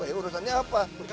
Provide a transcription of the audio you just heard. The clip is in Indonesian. eh urusannya apa